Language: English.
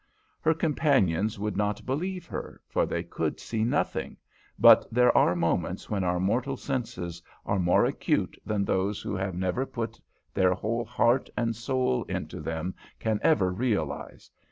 Her companions would not believe her, for they could see nothing, but there are moments when our mortal senses are more acute than those who have never put their whole heart and soul into them can ever realise.